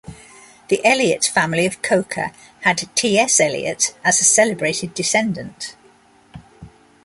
The Elyot family of Coker had T. S. Eliot as a celebrated descendant.